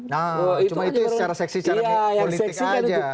nah cuma itu secara seksi secara politik aja